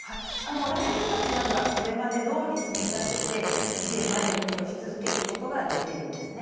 来年末まではこれまでどおり積み立てて期限まで運用し続けることができるんですね。